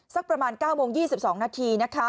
สักประมาณ๙โมง๒๒นาทีนะคะ